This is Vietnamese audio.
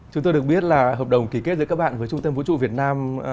chúng tôi được biết là hợp đồng ký kết giữa các bạn với trung tâm vũ trụ việt nam